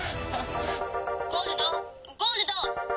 「ゴールドゴールド！